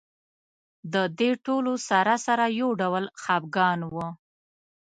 د دې ټولو سره سره یو ډول خپګان و.